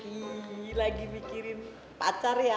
ini lagi mikirin pacar ya